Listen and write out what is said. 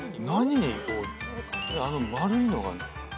何にあの丸いのが。